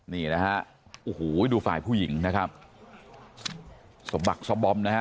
นี่นะฮะโอ้โหดูฝ่ายผู้หญิงนะครับสะบักสะบอมนะฮะ